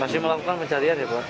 masih melakukan pencarian ya pak